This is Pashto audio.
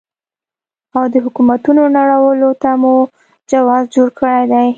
او د حکومتونو نړولو ته مو جواز جوړ کړی دی.